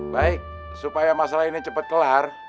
baik supaya masalah ini cepat kelar